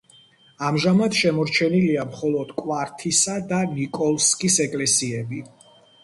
ამჟამად შემორჩენილია მხოლოდ კვართისა და ნიკოლსკის ეკლესიები.